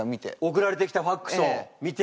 送られてきたファックスを見て。